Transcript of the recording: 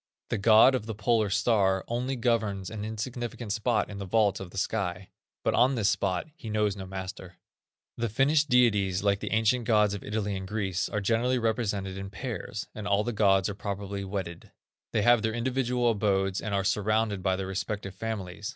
The god of the Polar star only governs an insignificant spot in the vault of the sky, but on this spot he knows no master." The Finnish deities, like the ancient gods of Italy and Greece, are generally represented in pairs, and all the gods are probably wedded. They have their individual abodes and are surrounded by their respective families.